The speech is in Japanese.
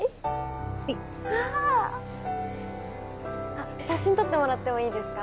あっ写真撮ってもらってもいいですか？